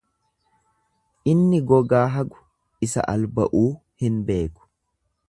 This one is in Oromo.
Inni gogaa hagu isa alba'uu hin beeku.